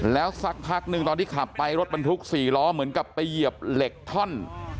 แล้วสักพักหนึ่งตอนที่ขับไปรถบรรทุก๔ล้อเหมือนกับไปเหยียบเหล็กท่อน